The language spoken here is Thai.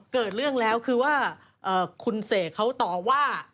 เกิดเรื่องแล้วคือว่าคุณเสกเขาต่อว่า